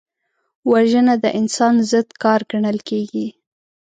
وژنه د انسان ضد کار ګڼل کېږي